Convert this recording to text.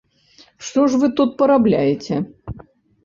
Што ж вы тут парабляеце?